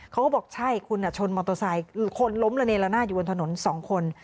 เขาก็บอกใช่คุณชนมอเตอร์ไซค์คือคนล้มระเนละนาดอยู่บนถนนสองคน